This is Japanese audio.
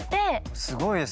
すごいです。